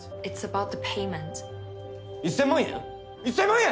１，０００万円！？